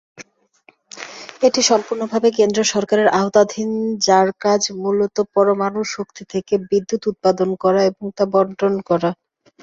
এটি সম্পূর্ণভাবে কেন্দ্র সরকারের আওতাধীন; যার কাজ মূলত পরমাণু শক্তি থেকে বিদ্যুৎ উৎপাদন করা এবং তা বণ্টন করা।